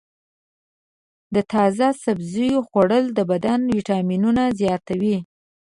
د تازه سبزیو خوړل د بدن ویټامینونه زیاتوي.